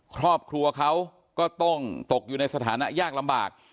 ครอบครัวเขาก็ต้องตกอยู่ในสถานะยากลำบาก